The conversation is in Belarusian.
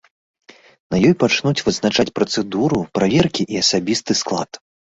На ёй пачнуць вызначаць працэдуру праверкі і асабісты склад.